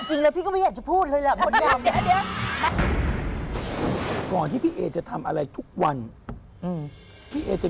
จริงแล้วพี่ก็ไม่อยากจะพูดเลยแหละมดดำ